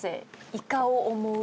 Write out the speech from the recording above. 「イカを想う」。